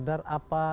apa yang kita lakukan